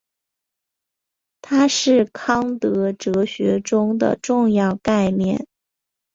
它是康德哲学中的重要概念。